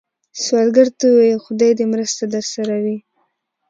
سوالګر ته ووايئ “خدای دې مرسته درسره وي”